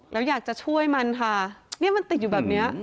แล้วอยากจะช่วยมันค่ะเนี่ยมันติดอยู่แบบเนี้ย